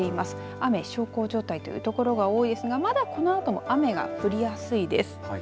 雨小康状態というところが多いですがまだこのあとも雨が降りやすいです。